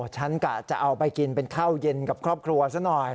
กะจะเอาไปกินเป็นข้าวเย็นกับครอบครัวซะหน่อย